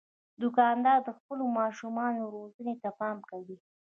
دوکاندار د خپلو ماشومانو روزنې ته پام کوي.